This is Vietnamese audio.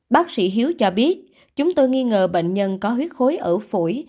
bác sĩ hiếu cho biết chúng tôi nghi ngờ bệnh nhân có huyết khối ở phổi